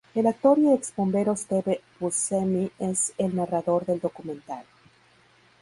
El actor y ex bombero Steve Buscemi es el narrador del documental.